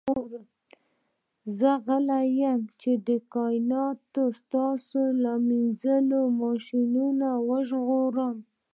زه راغلی یم چې کائنات ستا له مینځلو ماشینونو وژغورم